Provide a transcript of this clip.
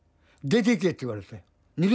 「出ていけ」って言われたの。